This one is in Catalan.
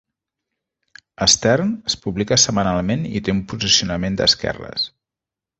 "Stern" es publica setmanalment i té un posicionament d'esquerres.